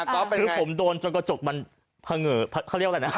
คือผมโดนจนกระจกมันเผงเขาเรียกอะไรนะ